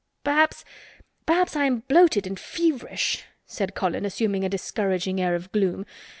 "Perhaps—perhaps I am bloated and feverish," said Colin, assuming a discouraging air of gloom.